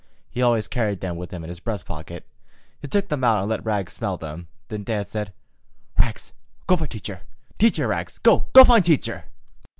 He always carried them with him in his breast pocket. He took them out and let Rags smell of them. Then Dan said: "Rags, go find Teacher. Teacher! Rags! Go find Teacher!"